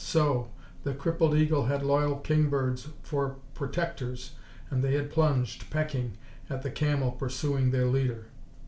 So! The crippled eagle had loyal kingbirds for protectors, and they had plunged, pecking, at the Camel pursuing their leader.